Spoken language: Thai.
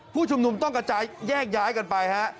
ผู้ชุมนุมต้องกระจายแยกย้ายกันไปฮะ